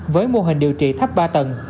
với mô hình điều trị tháp ba tầng